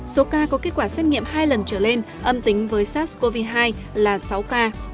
số ca có kết quả xét nghiệm hai lần trở lên âm tính với sars cov hai là sáu ca